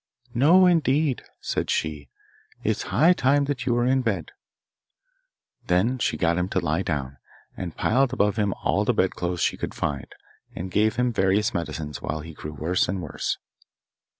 'No, indeed,' said she; 'it's high time that you were in bed.' She then got him to lie down, and piled above him all the bedclothes she could find, and gave him various medicines, while he grew worse and worse.